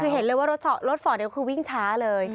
คือเห็นเลยว่ารถฟอร์ดเดียวคือวิ่งช้าเลย